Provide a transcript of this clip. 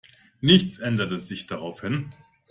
Nichts änderte sich daraufhin.